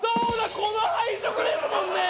この配色ですもんね。